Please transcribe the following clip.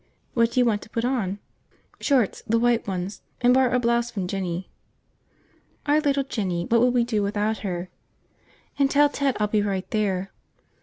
What do you want to put on?" "Shorts. The white ones. And borrow a blouse from Jinny." "Our little Jinny, what would we do without her." "And tell Ted I'll be right there."